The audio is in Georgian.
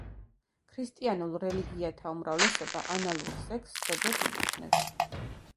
ქრისტიანულ რელიგიათა უმრავლესობა ანალურ სექსს ცოდვად მიიჩნევს.